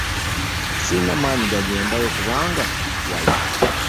sirina maanyi gagendayo kubanga wala.